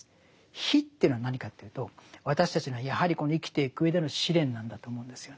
「火」というのは何かというと私たちのやはりこの生きていく上での試練なんだと思うんですよね。